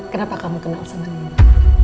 kenapa kamu kenal sama ibu